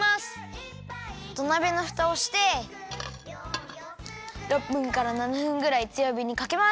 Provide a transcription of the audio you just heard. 土鍋のふたをして６分から７分ぐらいつよびにかけます。